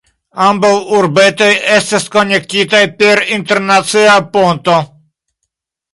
Ambaŭ urbetoj estas konektitaj per internacia ponto.